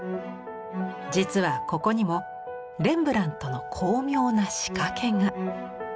実はここにもレンブラントの巧妙な仕掛けが。